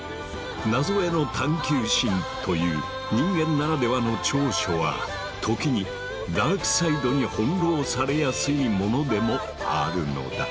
謎への探究心という人間ならではの長所は時にダークサイドに翻弄されやすいものでもあるのだ。